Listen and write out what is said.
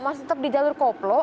masih tetap di jalur koplo